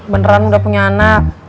beneran udah punya anak